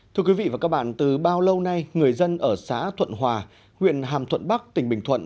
thưa quý vị và các bạn từ bao lâu nay người dân ở xã thuận hòa huyện hàm thuận bắc tỉnh bình thuận